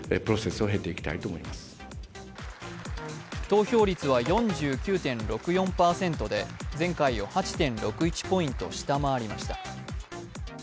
投票率は４９．６４％で前回を８．６１ポイント下回りました。